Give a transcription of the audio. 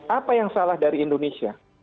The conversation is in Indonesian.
apa yang salah dari indonesia